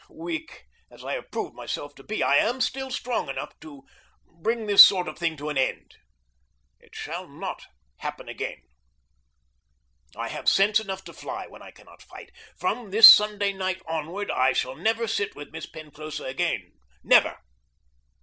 Weak as I have proved myself to be, I am still strong enough to bring this sort of thing to an end. It shall not happen again. I have sense enough to fly when I cannot fight. From this Sunday night onward I shall never sit with Miss Penclosa again. Never!